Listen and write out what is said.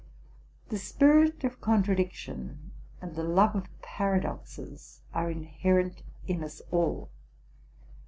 The spirit of contradiction and the love of paradoxes are inherent in us all.